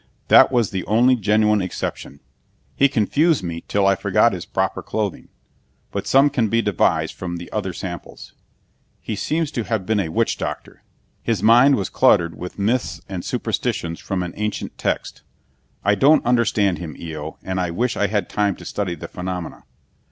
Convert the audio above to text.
"That was the only genuine exception. He confused me till I forgot his proper clothing, but some can be devised from the other samples. He seems to have been a witch doctor. His mind was cluttered with myths and superstitions from an ancient text. I don't understand him, Eo, and wish I had time to study the phenomena.